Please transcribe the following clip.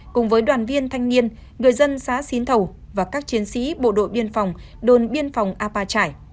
cùng với đoàn viên thanh niên người dân xã xín thầu và các chiến sĩ bộ đội biên phòng đồn biên phòng a pa chải